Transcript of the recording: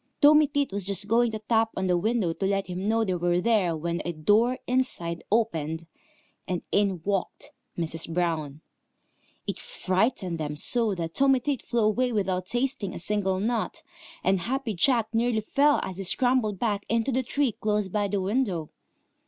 Tommy Tit was just going to tap on the window to let him know they were there, when a door inside opened, and in walked Mrs. Brown. It frightened them so that Tommy Tit flew away without tasting a single nut, and Happy Jack nearly fell as he scrambled back into the tree close by the window.